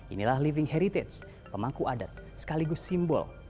inilah living heritage pemangku adat sekaligus simbol